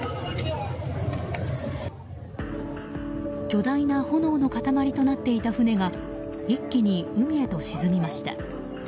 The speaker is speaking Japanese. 巨大な炎の塊となっていた船が一気に海へと沈みました。